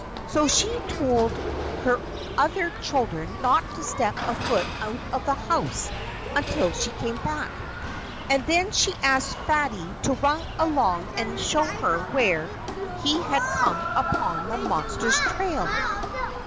So she told her other children not to step a foot out of the house until she came back. And then she asked Fatty to run along and show her where he had come upon the monster's trail.